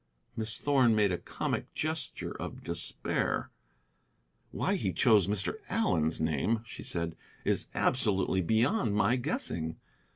Miss Thorn made a comic gesture of despair. "Why he chose Mr. Allen's name," she said, "is absolutely beyond my guessing.